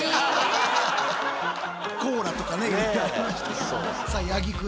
コーラとかねいろいろありました。